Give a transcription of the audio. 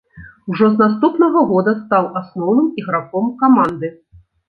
Ужо з наступнага года стаў асноўным іграком каманды.